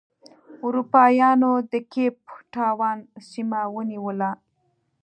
اروپا یانو د کیپ ټاون سیمه ونیوله.